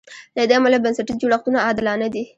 له دې امله بنسټیز جوړښتونه عادلانه دي.